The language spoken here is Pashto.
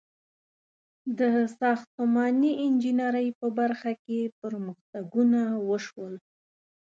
• د ساختماني انجینرۍ په برخه کې پرمختګونه وشول.